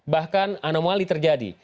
bahkan anomali terjadi